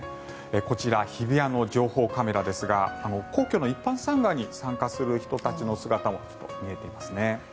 こちら日比谷の情報カメラですが皇居の一般参賀に参加する人たちの姿も見えていますね。